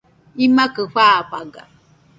imakɨ fafaga